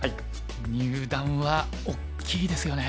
入段は大きいですよね。